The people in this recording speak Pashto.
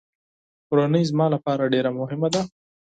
کورنۍ زما لپاره ډېره مهمه ده.